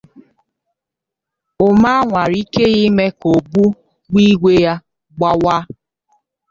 Umar nwara ike ya ime ka obugbigwe ya gbawaa